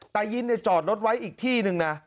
ตายยินต์เนี่ยจอดรถไว้อีกที่นึงนะ